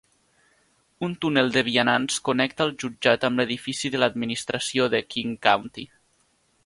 Un túnel de vianants connecta el jutjat amb l'edifici de l'administració de King County.